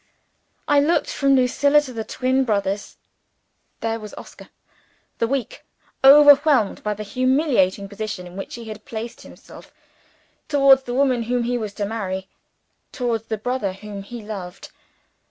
I looked from Lucilla to the twin brothers. There was Oscar the Weak, overwhelmed by the humiliating position in which he had placed himself towards the woman whom he was to marry, towards the brother whom he loved!